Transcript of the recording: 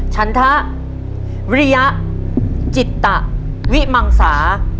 ฉันทะวิริยะจิตวิมังสา